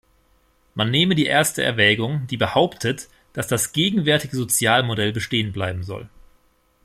Man nehme die erste Erwägung, die behauptet, dass das gegenwärtige Sozialmodell bestehen bleiben soll.